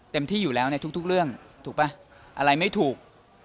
ที่อยู่แล้วในทุกเรื่องถูกป่ะอะไรไม่ถูก